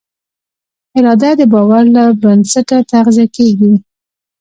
اراده د باور له بنسټه تغذیه کېږي.